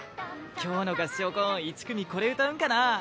今日の合唱コン１組これ歌うんかな？